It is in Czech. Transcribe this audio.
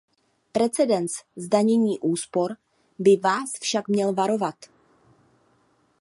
Precedens zdanění úspor by vás však měl varovat.